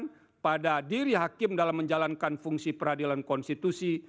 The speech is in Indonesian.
masih relevan serta menambah keyakinan pada diri hakim dalam menjalankan fungsi peradilan konstitusi